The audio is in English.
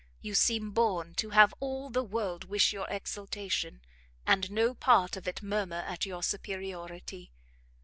You seem born to have all the world wish your exaltation, and no part of it murmur at your superiority.